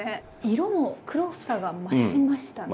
色も黒さが増しましたね。